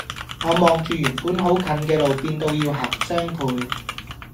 我望住原本好近嘅路變到要行雙倍